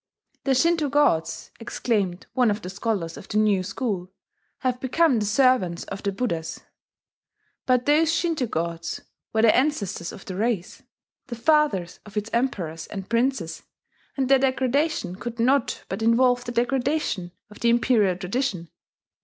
"The Shinto gods," exclaimed one of the scholars of the new school, "have become the servants of the Buddhas!" But those Shinto gods were the ancestors of the race, the fathers of its emperors and princes, and their degradation could not but involve the degradation of the imperial tradition.